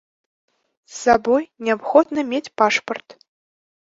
З сабой неабходна мець пашпарт.